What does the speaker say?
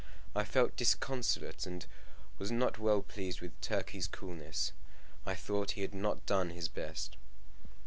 I felt disconsolate, and was not well pleased with Turkey's coolness. I thought he had not done his best.